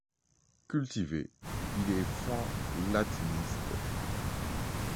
Cultivé, il est fin latiniste.